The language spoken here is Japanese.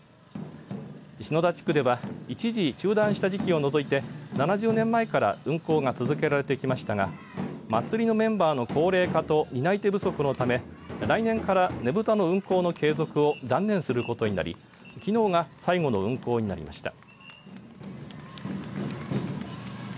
篠田地区では一時中断した時期を除いて７０年前から運行が続けられてきましたが祭りのメンバーの高齢化と担い手不足のため来年からねぶたの運行の継続を断念することになりきのうが最後の運行になりました。